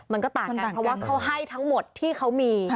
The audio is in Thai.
มันก็ต่างกันเพราะว่าเขาให้ทั้งหมดที่เขามี